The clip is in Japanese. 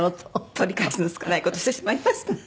取り返しのつかない事してしまいました。